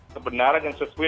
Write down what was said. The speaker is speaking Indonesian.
kebenaran yang sesuai